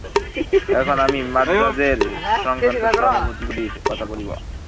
এখন আমি মান্দ্রাজের সংস্কার-সভাগুলির কথা বলিব।